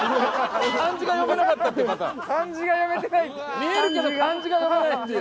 見えるけど漢字が読めないっていう。